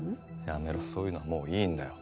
やめろそういうのはもういいんだよ